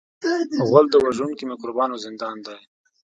غول د وژونکو میکروبونو زندان دی.